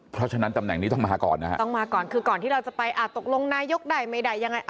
เพราะฉะนั้นตำแหน่งนี้ต้องมาก่อนนะฮะต้องมาก่อนคือก่อนที่เราจะไปอ่ะตกลงนายกได้ไม่ได้ยังไง